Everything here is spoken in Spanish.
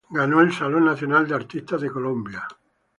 Ganó el Salón Nacional de Artistas de Colombia.